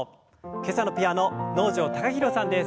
今朝のピアノ能條貴大さんです。